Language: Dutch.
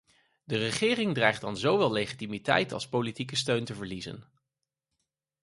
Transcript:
De regering dreigt dan zowel legitimiteit als politieke steun te verliezen.